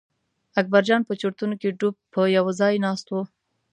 اکبرجان په چورتونو کې ډوب په یوه ځای ناست و.